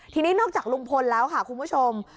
ทีนี้นอกจากลุงพลแล้วค่ะคุณผู้ชม